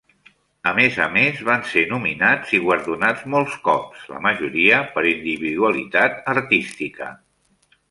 A més a més, van ser nominats i guardonats molts cops, la majoria per individualitat artística.